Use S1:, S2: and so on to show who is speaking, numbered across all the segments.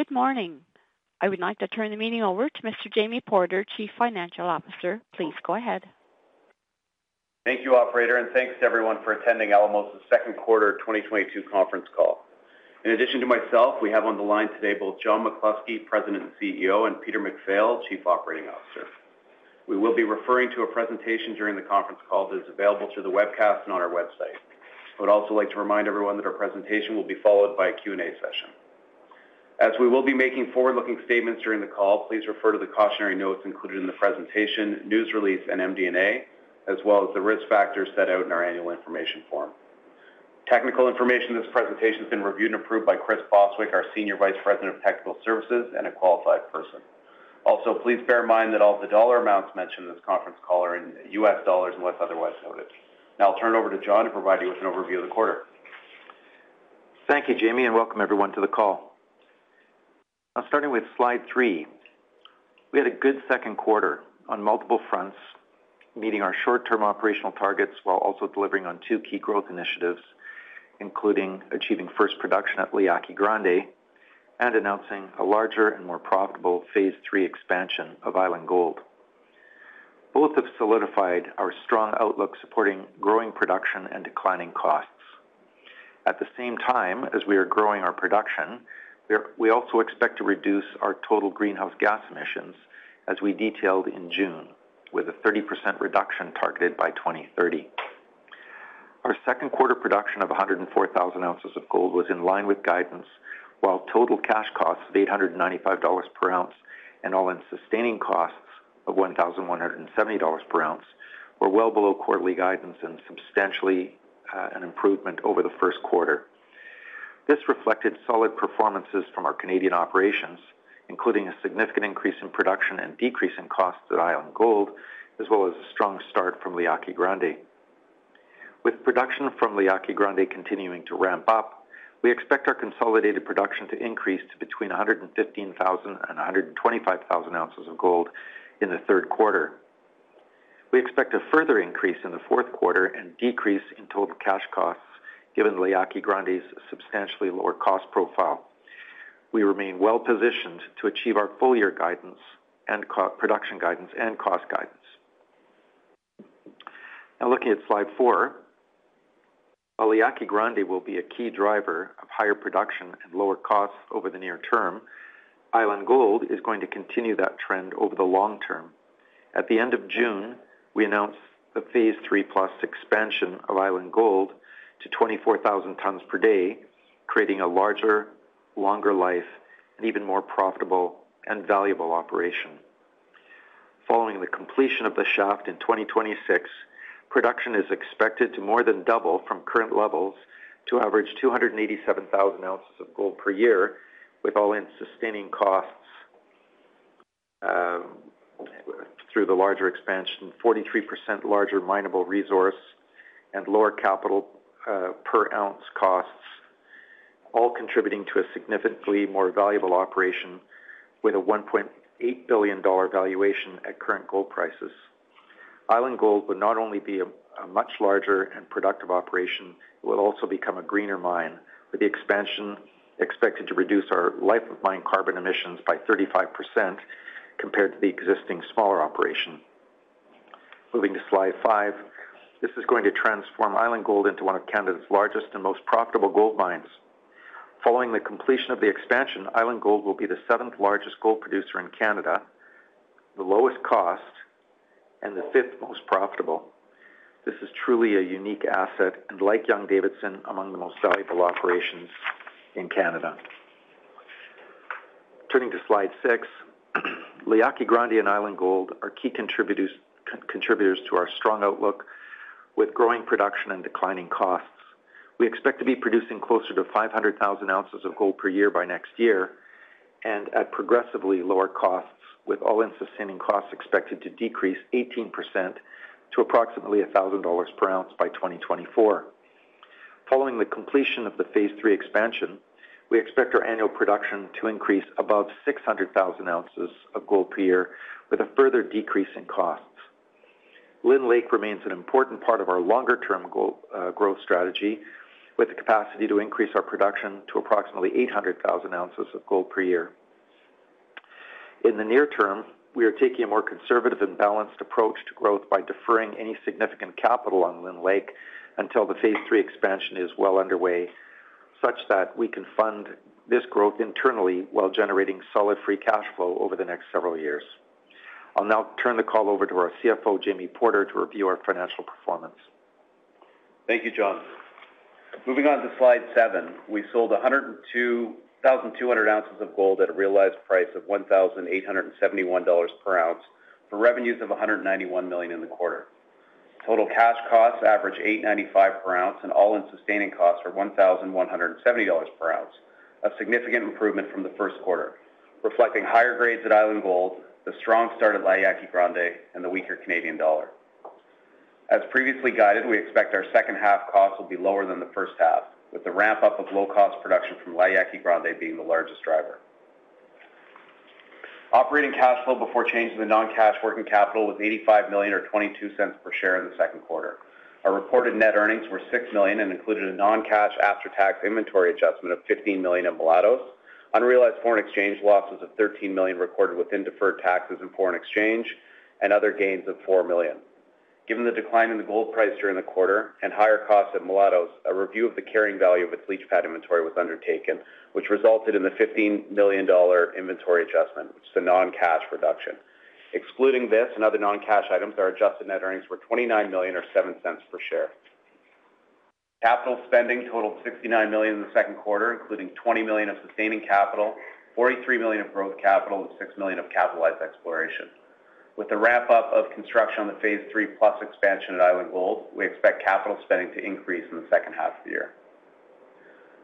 S1: Good morning. I would like to turn the meeting over to Mr. Jamie Porter, Chief Financial Officer. Please go ahead.
S2: Thank you, operator, and thanks to everyone for attending Alamos' Q2 2022 conference call. In addition to myself, we have on the line today both John McCluskey, President and CEO, and Peter MacPhail, Chief Operating Officer. We will be referring to a presentation during the conference call that is available through the webcast and on our website. I would also like to remind everyone that our presentation will be followed by a Q&A session. As we will be making forward-looking statements during the call, please refer to the cautionary notes included in the presentation, news release, and MD&A, as well as the risk factors set out in our Annual Information Form. Technical information in this presentation has been reviewed and approved by Chris Bostwick, our Senior Vice President of Technical Services, and a Qualified Person. Also, please bear in mind that all of the dollar amounts mentioned in this conference call are in US dollars, unless otherwise noted. Now I'll turn it over to John to provide you with an overview of the quarter.
S3: Thank you, Jamie, and welcome everyone to the call. Now, starting with slide three, we had a good Q2 on multiple fronts, meeting our short-term operational targets while also delivering on two key growth initiatives, including achieving first production at La Yaqui Grande and announcing a larger and more profitable Phase III expansion of Island Gold. Both have solidified our strong outlook, supporting growing production and declining costs. At the same time, as we are growing our production, we also expect to reduce our total greenhouse gas emissions, as we detailed in June, with a 30% reduction targeted by 2030. Our Q2 production of 104,000 ounces of gold was in line with guidance, while total cash costs of $895 per ounce and all-in sustaining costs of $1,170 per ounce were well below quarterly guidance and substantially an improvement over the Q1. This reflected solid performances from our Canadian operations, including a significant increase in production and decrease in costs at Island Gold, as well as a strong start from La Yaqui Grande. With production from La Yaqui Grande continuing to ramp up, we expect our consolidated production to increase to between 115,000 and 125,000 ounces of gold in the Q3. We expect a further increase in the Q4 and decrease in total cash costs, given La Yaqui Grande's substantially lower cost profile. We remain well-positioned to achieve our full year guidance and production guidance and cost guidance. Now, looking at slide four, while La Yaqui Grande will be a key driver of higher production and lower costs over the near term, Island Gold is going to continue that trend over the long term. At the end of June, we announced the Phase III+ Expansion of Island Gold to 24,000 tons per day, creating a larger, longer life, and even more profitable and valuable operation. Following the completion of the shaft in 2026, production is expected to more than double from current levels to average 287,000 ounces of gold per year, with all-in sustaining costs through the larger expansion, 43% larger minable resource and lower capital per ounce costs, all contributing to a significantly more valuable operation with a $1.8 billion valuation at current gold prices. Island Gold would not only be a much larger and productive operation, it will also become a greener mine, with the expansion expected to reduce our life of mine carbon emissions by 35% compared to the existing smaller operation. Moving to slide five. This is going to transform Island Gold into one of Canada's largest and most profitable gold mines. Following the completion of the expansion, Island Gold will be the seventh largest gold producer in Canada, the lowest cost and the fifth most profitable. This is truly a unique asset and like Young-Davidson, among the most valuable operations in Canada. Turning to slide six, La Yaqui Grande and Island Gold are key contributors to our strong outlook with growing production and declining costs. We expect to be producing closer to 500,000 ounces of gold per year by next year and at progressively lower costs, with all-in sustaining costs expected to decrease 18% to approximately $1,000 per ounce by 2024. Following the completion of the Phase III expansion, we expect our annual production to increase above 600,000 ounces of gold per year with a further decrease in costs. Lynn Lake remains an important part of our longer-term goal, growth strategy, with the capacity to increase our production to approximately 800,000 ounces of gold per year. In the near term, we are taking a more conservative and balanced approach to growth by deferring any significant capital on Lynn Lake until the Phase III expansion is well underway, such that we can fund this growth internally while generating solid free cash flow over the next several years. I'll now turn the call over to our CFO, Jamie Porter, to review our financial performance.
S2: Thank you, John. Moving on to slide seven. We sold 102,200 ounces of gold at a realized price of $1,871 per ounce, for revenues of $191 million in the quarter. Total cash costs averaged $895 per ounce, and all-in sustaining costs were $1,170 per ounce, a significant improvement from the Q1, reflecting higher grades at Island Gold, the strong start at La Yaqui Grande, and the weaker Canadian dollar. As previously guided, we expect our second half costs will be lower than the first half, with the ramp up of low cost production from La Yaqui Grande being the largest driver. Operating cash flow before change in the non-cash working capital was $85 million or $0.22 per share in the Q2. Our reported net earnings were $6 million and included a non-cash after-tax inventory adjustment of $15 million in Mulatos, unrealized foreign exchange losses of $13 million recorded within deferred taxes and foreign exchange and other gains of $4 million. Given the decline in the gold price during the quarter and higher costs at Mulatos, a review of the carrying value of its leach pad inventory was undertaken, which resulted in the $15 million inventory adjustment, which is a non-cash reduction. Excluding this and other non-cash items, our adjusted net earnings were $29 million or $0.07 per share. Capital spending totaled $69 million in the Q2, including $20 million of sustaining capital, $43 million of growth capital and $6 million of capitalized exploration. With the ramp up of construction on the Phase III+ Expansion at Island Gold, we expect capital spending to increase in the second half of the year.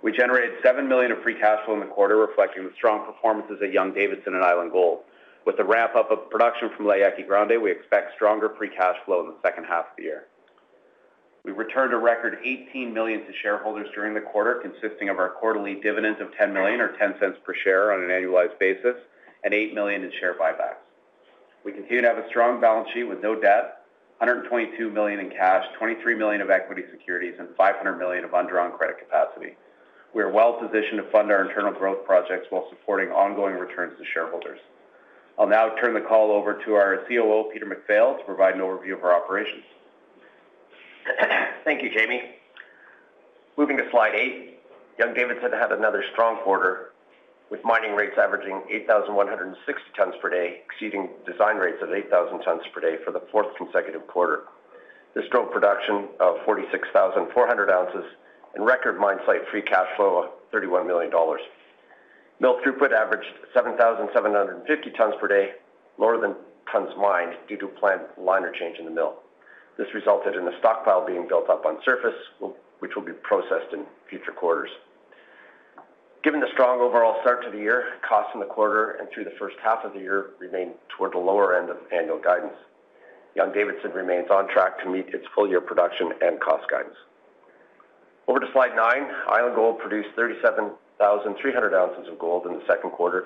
S2: We generated $7 million of free cash flow in the quarter, reflecting the strong performances at Young-Davidson and Island Gold. With the ramp up of production from La Yaqui Grande, we expect stronger free cash flow in the second half of the year. We returned a record $18 million to shareholders during the quarter, consisting of our quarterly dividend of $10 million or $0.10 per share on an annualized basis and $8 million in share buybacks. We continue to have a strong balance sheet with no debt, $122 million in cash, $23 million of equity securities, and $500 million of undrawn credit capacity. We are well positioned to fund our internal growth projects while supporting ongoing returns to shareholders. I'll now turn the call over to our COO, Peter MacPhail, to provide an overview of our operations.
S4: Thank you, Jamie. Moving to slide eight. Young-Davidson had another strong quarter, with mining rates averaging 8,160 tons per day, exceeding design rates of 8,000 tons per day for the fourth consecutive quarter. This drove production of 46,400 ounces and record mine site free cash flow of $31 million. Mill throughput averaged 7,750 tons per day, lower than tons mined due to a planned liner change in the mill. This resulted in a stockpile being built up on surface, which will be processed in future quarters. Given the strong overall start to the year, costs in the quarter and through the first half of the year remained toward the lower end of annual guidance. Young-Davidson remains on track to meet its full-year production and cost guidance. Over to slide nine. Island Gold produced 37,300 ounces of gold in the Q2,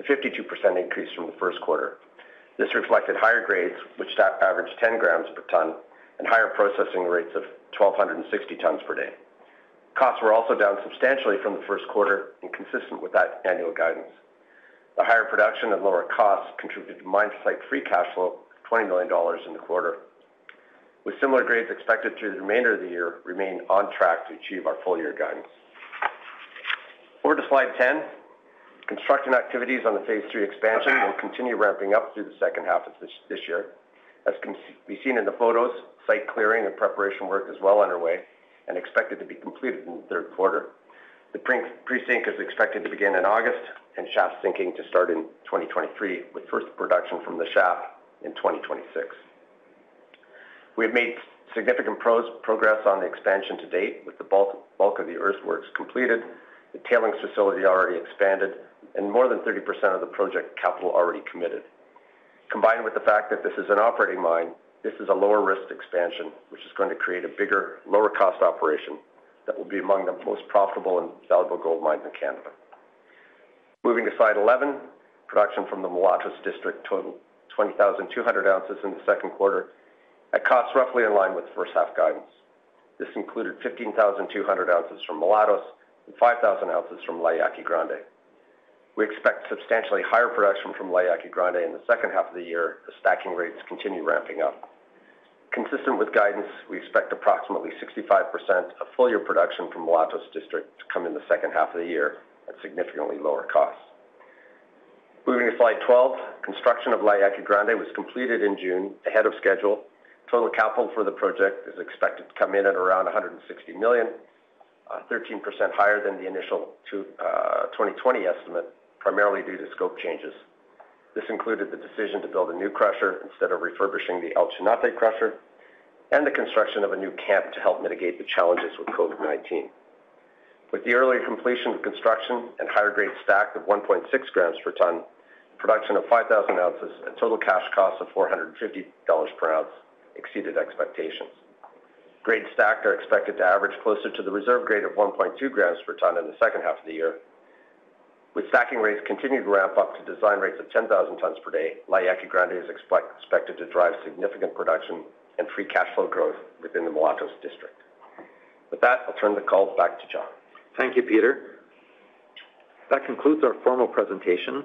S4: a 52% increase from the Q1. This reflected higher grades, which averaged 10 grams per ton and higher processing rates of 1,260 tons per day. Costs were also down substantially from the Q1 and consistent with that annual guidance. The higher production and lower costs contributed to mine site free cash flow of $20 million in the quarter. With similar grades expected through the remainder of the year, we remain on track to achieve our full year guidance. Over to slide 10. Construction activities on the Phase III+ Expansion will continue ramping up through the second half of this year. As can be seen in the photos, site clearing and preparation work is well underway and expected to be completed in the Q3. The project is expected to begin in August and shaft sinking to start in 2023, with first production from the shaft in 2026. We have made significant progress on the expansion to date, with the bulk of the earthworks completed, the tailings facility already expanded, and more than 30% of the project capital already committed. Combined with the fact that this is an operating mine, this is a lower risk expansion, which is going to create a bigger, lower cost operation that will be among the most profitable and valuable gold mines in Canada. Moving to slide 11. Production from the Mulatos District totaled 20,200 ounces in the Q2 at costs roughly in line with first half guidance. This included 15,200 ounces from Mulatos and 5,000 ounces from La Yaqui Grande. We expect substantially higher production from La Yaqui Grande in the second half of the year as stacking rates continue ramping up. Consistent with guidance, we expect approximately 65% of full year production from Mulatos District to come in the second half of the year at significantly lower costs. Moving to slide 12. Construction of La Yaqui Grande was completed in June ahead of schedule. Total capital for the project is expected to come in at around $160 million, 13% higher than the initial 2020 estimate, primarily due to scope changes. This included the decision to build a new crusher instead of refurbishing the El Chanate crusher and the construction of a new camp to help mitigate the challenges with COVID-19. With the early completion of construction and higher grade stacked of 1.6 grams per ton, production of 5,000 ounces at total cash costs of $450 per ounce exceeded expectations. Grades stacked are expected to average closer to the reserve grade of 1.2 grams per ton in the second half of the year. With stacking rates continuing to ramp up to design rates of 10,000 tons per day, La Yaqui Grande is expected to drive significant production and free cash flow growth within the Mulatos District. With that, I'll turn the call back to John.
S2: Thank you, Peter. That concludes our formal presentation.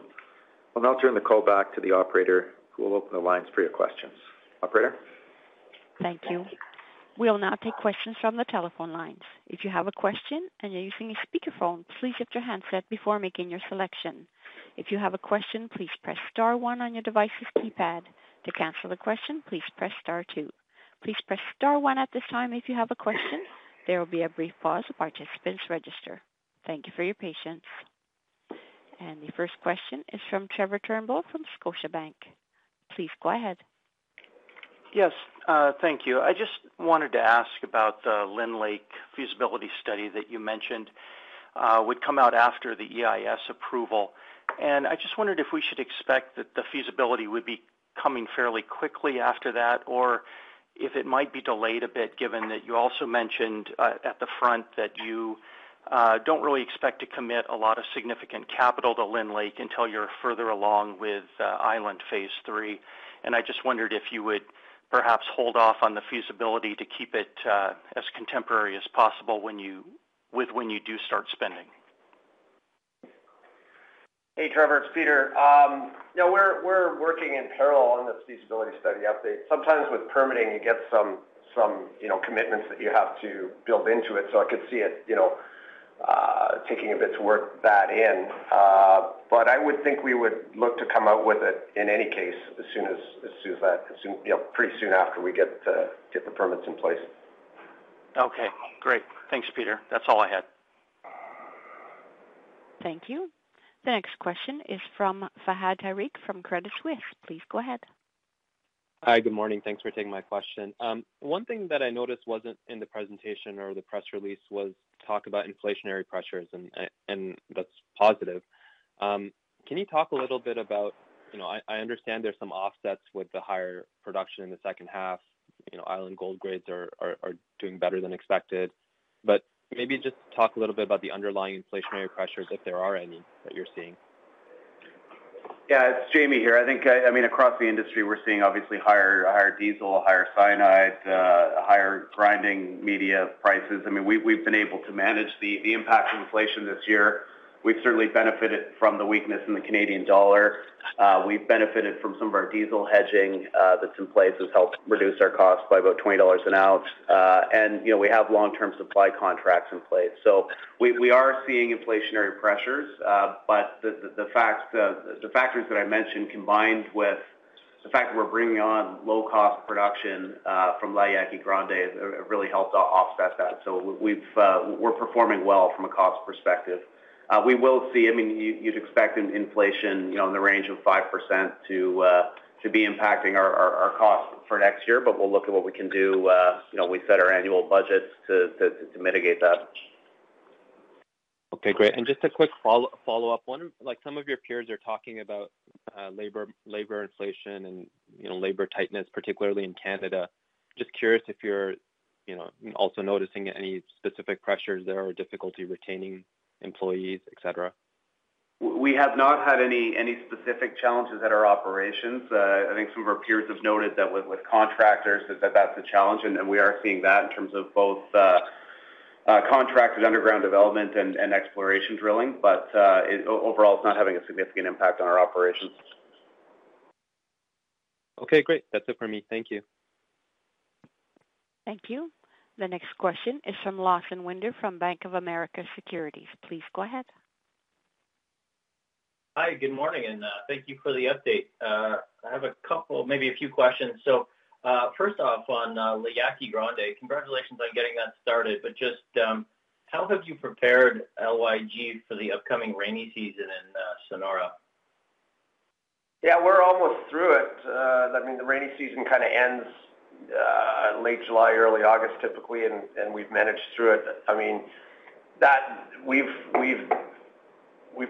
S2: I'll now turn the call back to the operator who will open the lines for your questions. Operator?
S1: Thank you. We'll now take questions from the telephone lines. If you have a question and you're using a speakerphone, please mute your handset before making your selection. If you have a question, please press star one on your device's keypad. To cancel the question, please press star two. Please press star one at this time if you have a question. There will be a brief pause while participants register. Thank you for your patience. The first question is from Trevor Turnbull from Scotiabank. Please go ahead.
S5: Yes, thank you. I just wanted to ask about the Lynn Lake feasibility study that you mentioned would come out after the EIS approval. I just wondered if we should expect that the feasibility would be coming fairly quickly after that? Or if it might be delayed a bit, given that you also mentioned at the front that you don't really expect to commit a lot of significant capital to Lynn Lake until you're further along with Phase III+ Expansion. I just wondered if you would perhaps hold off on the feasibility to keep it as contemporary as possible when you do start spending.
S4: Hey, Trevor, it's Peter. You know, we're working in parallel on this feasibility study update. Sometimes with permitting, you get some, you know, commitments that you have to build into it, so I could see it, you know, taking a bit to work that in. But I would think we would look to come out with it in any case as soon as that, you know, pretty soon after we get the permits in place.
S5: Okay, great. Thanks, Peter. That's all I had.
S1: Thank you. The next question is from Fahad Tariq from Credit Suisse. Please go ahead.
S6: Hi. Good morning. Thanks for taking my question. One thing that I noticed wasn't in the presentation or the press release was talk about inflationary pressures and that's positive. Can you talk a little bit about, you know, I understand there's some offsets with the higher production in the second half. You know, Island Gold grades are doing better than expected. Maybe just talk a little bit about the underlying inflationary pressures, if there are any, that you're seeing.
S2: Yeah. It's Jamie here. I mean, across the industry, we're seeing obviously higher diesel, higher cyanide, higher grinding media prices. I mean, we've been able to manage the impact of inflation this year. We've certainly benefited from the weakness in the Canadian dollar. We've benefited from some of our diesel hedging that's in place. It's helped reduce our costs by about $20 an ounce. You know, we have long-term supply contracts in place. We're seeing inflationary pressures, but the factors that I mentioned combined with the fact that we're bringing on low-cost production from La Yaqui Grande has really helped offset that. We're performing well from a cost perspective. We will see, I mean, you'd expect inflation, you know, in the range of 5% to be impacting our costs for next year, but we'll look at what we can do, you know, we set our annual budgets to mitigate that.
S6: Okay, great. Just a quick follow-up. Like, some of your peers are talking about labor inflation and, you know, labor tightness, particularly in Canada. Just curious if you're, you know, also noticing any specific pressures there or difficulty retaining employees, et cetera.
S2: We have not had any specific challenges at our operations. I think some of our peers have noted that with contractors is that that's a challenge, and we are seeing that in terms of both contracted underground development and exploration drilling. Overall, it's not having a significant impact on our operations.
S6: Okay, great. That's it for me. Thank you.
S1: Thank you. The next question is from Lawson Winder from Bank of America Securities. Please go ahead.
S7: Hi. Good morning, and thank you for the update. I have a couple, maybe a few questions. First off, on La Yaqui Grande, congratulations on getting that started. Just how have you prepared LYG for the upcoming rainy season in Sonora?
S2: Yeah. We're almost through it. I mean, the rainy season kinda ends late July, early August, typically, and we've managed through it. I mean, we've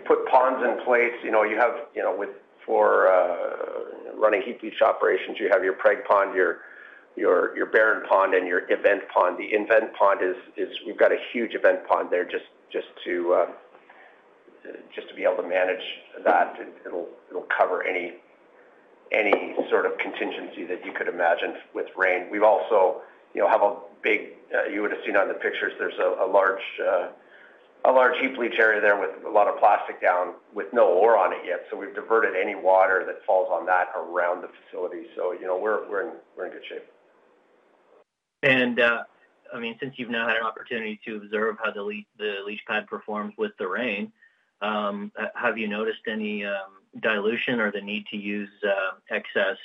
S2: put ponds in place. You know, you have, you know, for running heap leach operations, you have your pregnant pond, your barren pond, and your event pond. The event pond is. We've got a huge event pond there just to be able to manage that. It'll cover any sort of contingency that you could imagine with rain. We've also, you know, have a big. You would've seen on the pictures, there's a large heap leach area there with a lot of plastic down with no ore on it yet. So we've diverted any water that falls on that around the facility. You know, we're in good shape.
S7: I mean, since you've now had an opportunity to observe how the leach pad performs with the rain, have you noticed any dilution or the need to use excess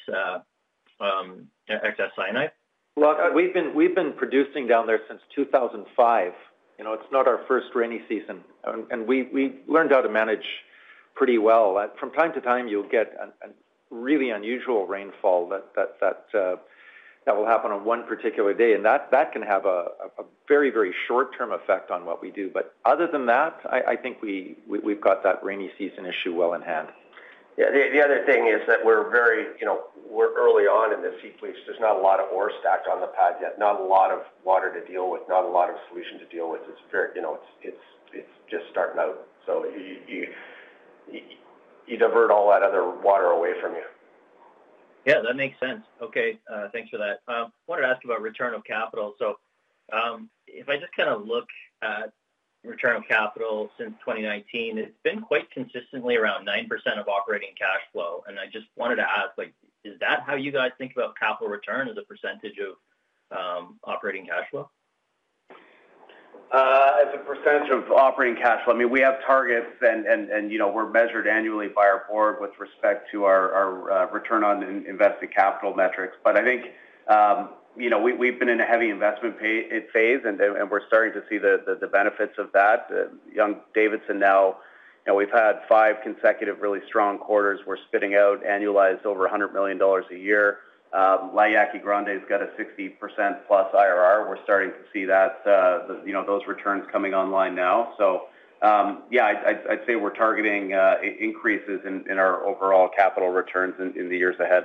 S7: cyanide?
S3: Lawson, we've been producing down there since 2005. You know, it's not our first rainy season, and we learned how to manage pretty well. From time to time, you'll get a really unusual rainfall that will happen on one particular day, and that can have a very short-term effect on what we do. Other than that, I think we've got that rainy season issue well in hand.
S2: Yeah. The other thing is that we're very, you know, we're early on in this heap leach. There's not a lot of ore stacked on the pad yet, not a lot of water to deal with, not a lot of solution to deal with. It's very, you know, it's just starting out. So you divert all that other water away from you.
S7: Yeah, that makes sense. Okay, thanks for that. Wanted to ask about return of capital. If I just kinda look at return of capital since 2019, it's been quite consistently around 9% of operating cash flow. I just wanted to ask, like, is that how you guys think about capital return as a percentage of operating cash flow?
S2: As a percentage of operating cash flow, I mean, we have targets and, you know, we're measured annually by our board with respect to our return on invested capital metrics. I think, you know, we've been in a heavy investment phase, and we're starting to see the benefits of that. Young-Davidson now, you know, we've had five consecutive really strong quarters. We're spitting out annualized over $100 million a year. La Yaqui Grande's got a 60%+ IRR. We're starting to see that, the, you know, those returns coming online now. Yeah, I'd say we're targeting increases in our overall capital returns in the years ahead.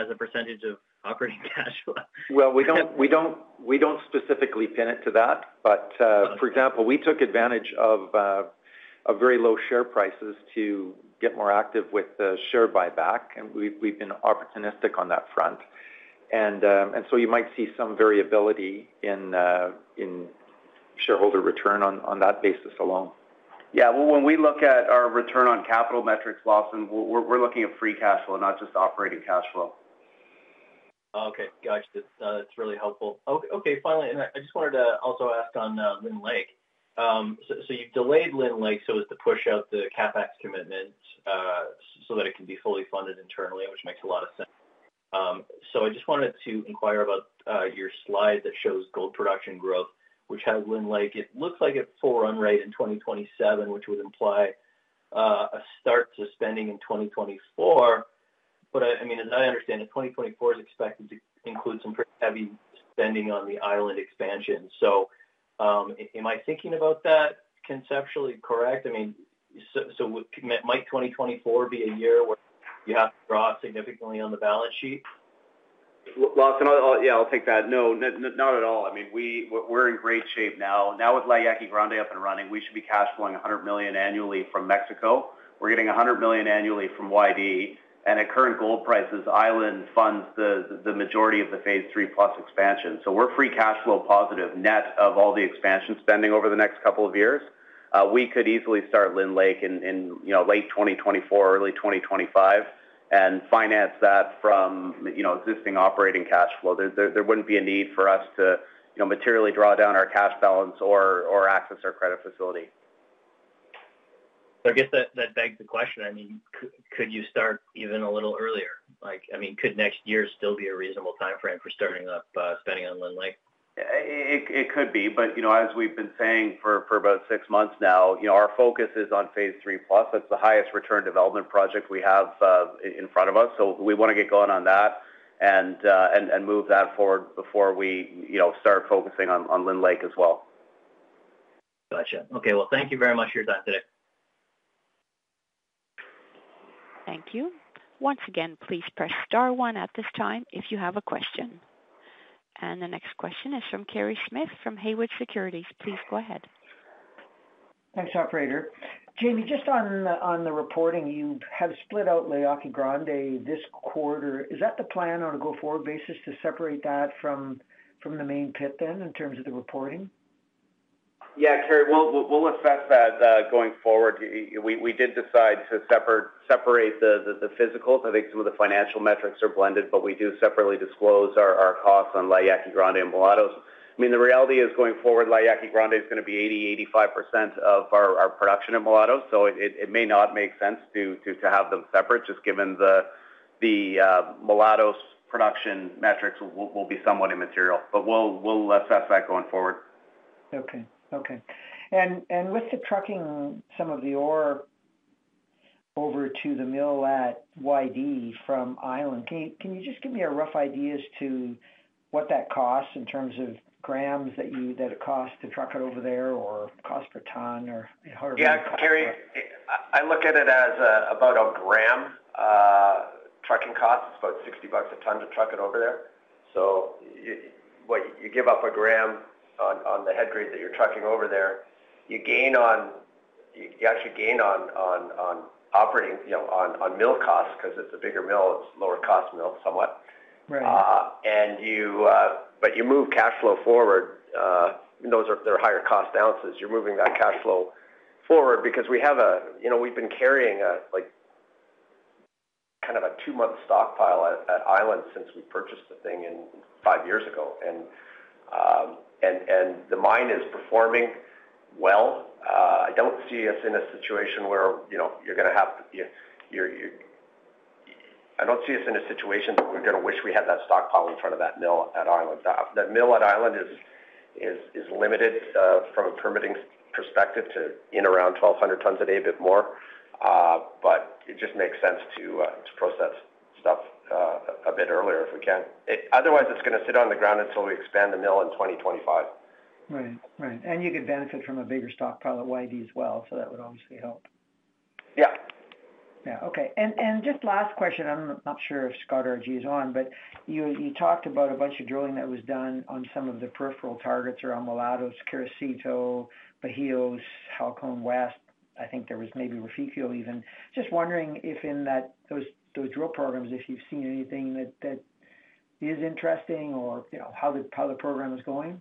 S7: As a percentage of operating cash flow.
S2: Well, we don't specifically pin it to that. For example, we took advantage of very low share prices to get more active with the share buyback, and we've been opportunistic on that front. You might see some variability in shareholder return on that basis alone. Well, when we look at our return on capital metrics, Lawson, we're looking at free cash flow, not just operating cash flow.
S7: Okay. Gotcha. That's really helpful. Okay, finally, I just wanted to also ask on Lynn Lake. So you've delayed Lynn Lake so as to push out the CapEx commitment, so that it can be fully funded internally, which makes a lot of sense. So I just wanted to inquire about your slide that shows gold production growth, which has Lynn Lake. It looks like a full run rate in 2027, which would imply a start to spending in 2024. I mean, as I understand it, 2024 is expected to include some pretty heavy spending on the Island expansion. Am I thinking about that conceptually correct? I mean, so might 2024 be a year where you have to draw significantly on the balance sheet?
S2: Lawson, I'll take that. No. Not at all. I mean, we're in great shape now. With La Yaqui Grande up and running, we should be cash flowing $100 million annually from Mexico. We're getting $100 million annually from YD. At current gold prices, Island funds the majority of the Phase III+ Expansion. We're free cash flow positive, net of all the expansion spending over the next couple of years. We could easily start Lynn Lake in, you know, late 2024, early 2025 and finance that from, you know, existing operating cash flow. There wouldn't be a need for us to, you know, materially draw down our cash balance or access our credit facility.
S7: I guess that begs the question, I mean, could you start even a little earlier? Like, I mean, could next year still be a reasonable timeframe for starting up, spending on Lynn Lake?
S2: It could be, but you know, as we've been saying for about six months now, you know, our focus is on Phase III+. That's the highest return development project we have in front of us. We wanna get going on that and move that forward before we, you know, start focusing on Lynn Lake as well.
S7: Gotcha. Okay. Well, thank you very much for your time today.
S1: Thank you. Once again, please press star one at this time if you have a question. The next question is from Kerry Smith from Haywood Securities. Please go ahead.
S8: Thanks, operator. Jamie, just on the reporting, you have split out La Yaqui Grande this quarter. Is that the plan on a go-forward basis to separate that from the main pit then in terms of the reporting?
S2: Yeah, Kerry, we'll assess that going forward. We did decide to separate the physicals. I think some of the financial metrics are blended, but we do separately disclose our costs on La Yaqui Grande and Mulatos. I mean, the reality is, going forward, La Yaqui Grande is gonna be 80-85% of our production at Mulatos, so it may not make sense to have them separate, just given the Mulatos production metrics will be somewhat immaterial. But we'll assess that going forward.
S8: Okay. With the trucking some of the ore over to the mill at YD from Island, can you just give me a rough idea as to what that costs in terms of grams that it costs to truck it over there or cost per ton or however you?
S2: Yeah, Kerry, I look at it as about a gram trucking cost. It's about $60 a ton to truck it over there. You give up a gram on the head grade that you're trucking over there. You actually gain on operating, you know, on mill costs because it's a bigger mill, it's lower cost mill somewhat.
S8: Right.
S2: You move cash flow forward. Those are higher cost ounces. You're moving that cash flow forward because we have a, you know, we've been carrying a, like, kind of a two-month stockpile at Island since we purchased the thing five years ago. The mine is performing well. I don't see us in a situation that we're gonna wish we had that stockpile in front of that mill at Island. That mill at Island is limited from a permitting perspective to around 1,200 tons a day, a bit more. It just makes sense to process stuff a bit earlier, if we can. Otherwise, it's gonna sit on the ground until we expand the mill in 2025.
S8: Right. You could benefit from a bigger stockpile at YD as well, so that would obviously help.
S2: Yeah.
S8: Yeah. Okay. Just last question. I'm not sure if Scott Parsons is on, but you talked about a bunch of drilling that was done on some of the peripheral targets around Mulatos, Carosito, Bajios, Halcon West. I think there was maybe Refugio even. Just wondering if in that, those drill programs, if you've seen anything that is interesting or, you know, how the program is going?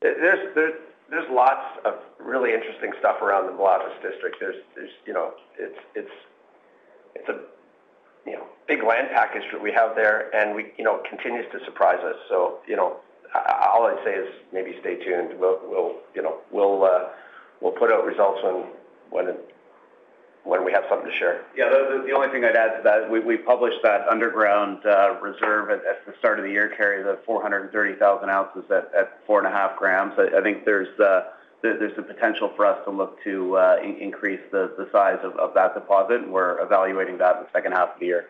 S2: There's lots of really interesting stuff around the Mulatos District. There's, you know, it's a, you know, big land package that we have there, and, you know, it continues to surprise us. You know, all I'd say is maybe stay tuned. We'll, you know, we'll put out results when we have something to share.
S9: Yeah, the only thing I'd add to that, we published that underground reserve at the start of the year, Kerry, the 430,000 ounces at 4.5 grams. I think there's the potential for us to look to increase the size of that deposit, and we're evaluating that in the second half of the year.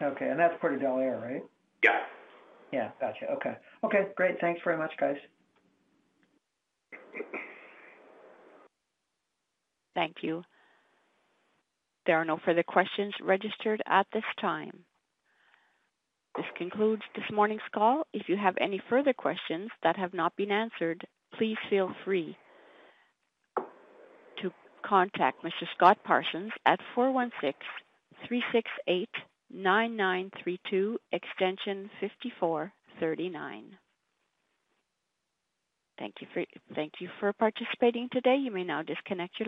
S8: Okay. That's Puerto del Aire, right?
S9: Yeah.
S8: Yeah. Gotcha. Okay. Okay, great. Thanks very much, guys.
S1: Thank you. There are no further questions registered at this time. This concludes this morning's call. If you have any further questions that have not been answered, please feel free to contact Mr. Scott Parsons at 416-368-9932, extension 5439. Thank you for participating today. You may now disconnect your-